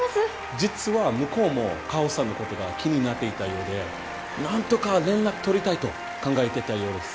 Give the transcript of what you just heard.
実は向こうも果帆さんのことが気になっていたようで何とか連絡取りたいと考えてたようです。